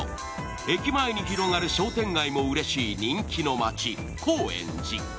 駅前に広がる商店街もうれしい人気の街・高円寺。